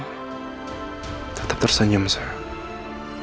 elsa tetap tersenyum sayang